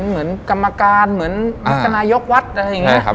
เหมือนกรรมการเหมือนนึกนายกวัตร